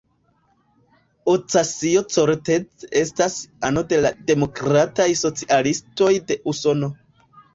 Ocasio-Cortez estas ano de la Demokrataj Socialistoj de Usono.